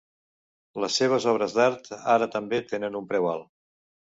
Les seves obres d'art ara també tenen un preu alt.